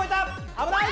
危ない！